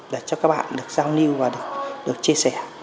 để cho các bạn được giao lưu và được chia sẻ